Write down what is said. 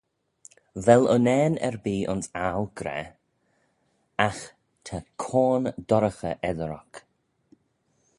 Vel unnane erbee ayns aggle gra? Agh ta coan dorraghey eddyr oc.